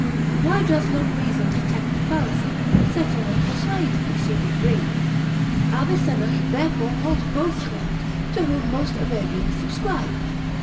Why doth not reason detect the fallacy, settle and persuade, if she be free? Avicenna therefore holds both corrupt, to whom most Arabians subscribe.